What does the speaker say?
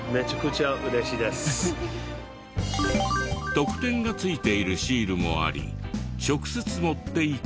特典が付いているシールもあり直接持っていくと。